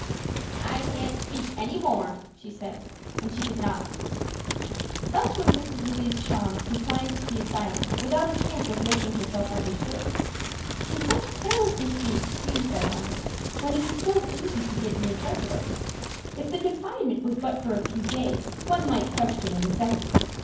"I can't speak any more," she said, and she did not. Thus was Mrs. Louise Schanz consigned to the asylum without a chance of making herself understood. Can such carelessness be excused, I wonder, when it is so easy to get an interpreter? If the confinement was but for a few days one might question the necessity.